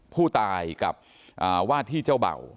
ผู้ตายกับว่าที่เจ้าเบ่า